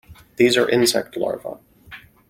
These are insect Larvae.